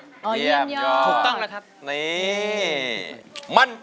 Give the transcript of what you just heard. ถูกต้องนะครับ